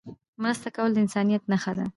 مرسته کول د انسانيت نښه ده.